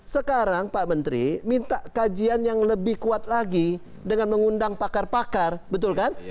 sekarang pak menteri minta kajian yang lebih kuat lagi dengan mengundang pakar pakar betul kan